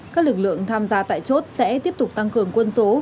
các lực lượng tham gia tại chốt sẽ tiếp tục tăng cường quân số